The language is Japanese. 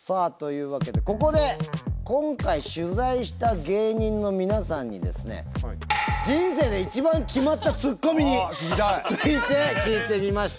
さあというわけでここで今回取材した芸人の皆さんにですね人生で一番決まったツッコミについて聞いてみました。